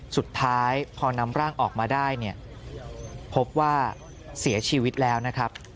สุดท้ายพอนำร่างออกมาได้เนี่ยพบว่าเสียชีวิตแล้วนะครับ